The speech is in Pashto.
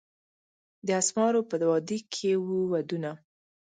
د اسمارو په وادي کښي وو ودونه